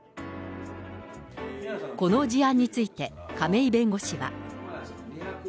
この事案について、亀井弁護士は。